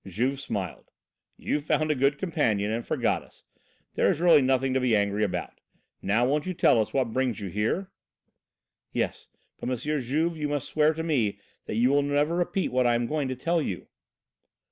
Juve smiled. "You found a good companion and forgot us. There is really nothing to be angry about. Now, won't you tell us what brings you here?" "Yes, but M. Juve, you must swear to me that you will never repeat what I am going to tell you."